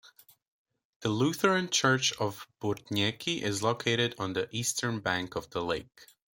The Lutheran church of Burtnieki is located on the Eastern bank of the lake.